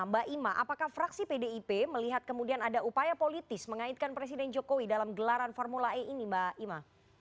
mbak ima apakah fraksi pdip melihat kemudian ada upaya politis mengaitkan presiden jokowi dalam gelaran formula e ini mbak ima